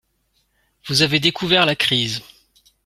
Vous avez découvert la crise.